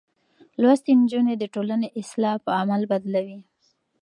لوستې نجونې د ټولنې اصول په عمل بدلوي.